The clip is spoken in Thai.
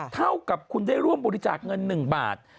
เท่ากับคุณได้ร่วมบริจาคเงิน๑บาท